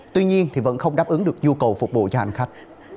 tuy nhiên vẫn không đáp ứng được nhu cầu phục vụ cho hành khách